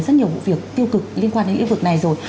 rất nhiều vụ việc tiêu cực liên quan đến lĩnh vực này rồi